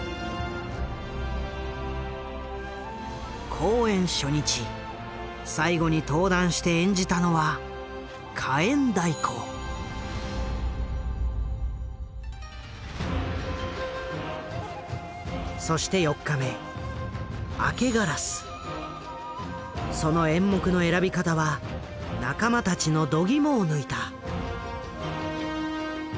公演初日最後に登壇して演じたのはそして４日目その演目の選び方は仲間たちの度肝を抜いた。